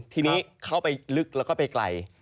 ทีนี้เข้าไปลึกแล้วก็ไปไกล